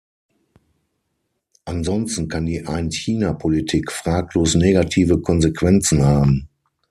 Ansonsten kann die Ein-China-Politik fraglos negative Konsequenzen haben.